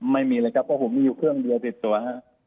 ไม่มีเลยครับเพราะผมมีอยู่เครื่องเดียวติดตัวฮะ